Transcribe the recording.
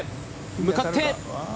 向かって。